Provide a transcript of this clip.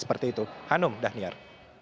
seperti itu hanum dhaniar